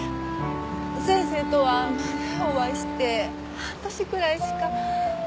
先生とはまだお会いして半年くらいしか。